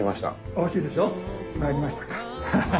おいしいでしょ参りましたか。